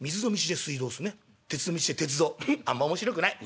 フッあんま面白くない」。